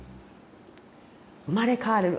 生まれ変われる。